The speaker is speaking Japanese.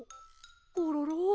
コロロ？